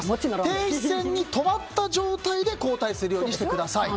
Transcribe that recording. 停止線に止まった状態で交代するようにしてください。